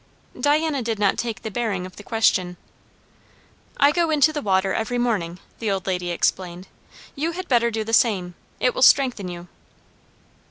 Diana did not take the bearing of the question. "I go into the water every morning," the old lady explained. "You had better do the same. It will strengthen you."